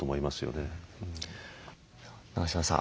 永島さん